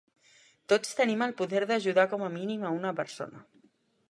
Tots tenim el poder d'ajudar com a mínim a una persona.